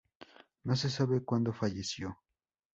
No se sabe cuando falleció.